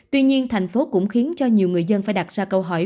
tuy nhiên thành phố cũng khiến cho nhiều người dân phải đặt ra câu hỏi